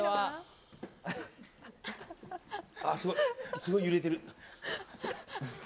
すごい揺れている。